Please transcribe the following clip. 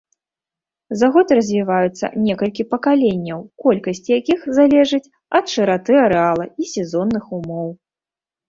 За год развіваюцца некалькі пакаленняў, колькасць якіх залежыць ад шыраты арэала і сезонных умоў.